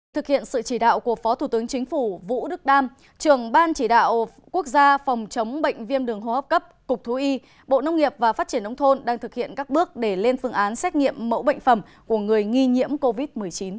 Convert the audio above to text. thực hiện sự chỉ đạo của phó thủ tướng chính phủ vũ đức đam trường ban chỉ đạo quốc gia phòng chống bệnh viêm đường hô hấp cấp cục thú y bộ nông nghiệp và phát triển nông thôn đang thực hiện các bước để lên phương án xét nghiệm mẫu bệnh phẩm của người nghi nhiễm covid một mươi chín